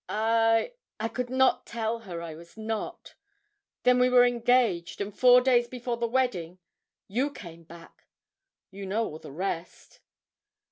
I I could not tell her I was not.... Then we were engaged, and, four days before the wedding, you came back you know all the rest.'